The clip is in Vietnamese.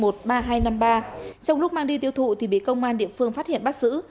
trong lúc mang đi tiêu thụ thì bị công an địa phương phát hiện bắt giữ